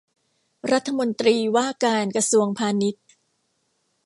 รัฐมนตรีว่าการกระทรวงพาณิชย์